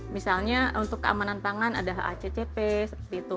misalnya untuk keamanan tangan ada accp seperti itu